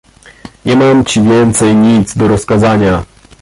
"Nie mam ci więcej nic do rozkazania."